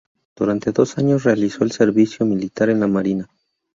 Durante dos años realizó el servicio militar en la Marina.